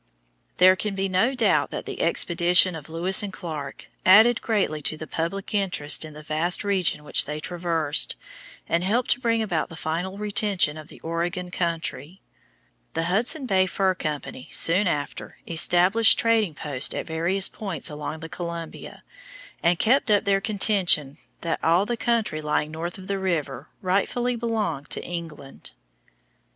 There can be no doubt that the expedition of Lewis and Clark added greatly to the public interest in the vast region which they traversed, and helped to bring about the final retention of the Oregon country. The Hudson Bay Fur Company soon after established trading posts at various points along the Columbia, and kept up their contention that all the country lying north of the river rightfully belonged to England.